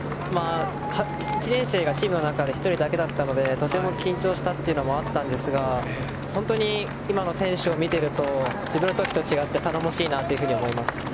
１年生がチームの中で１人だけだったのでとても緊張したというのもあったんですが本当に今の選手を見ていると自分の時と違って頼もしいなと思います。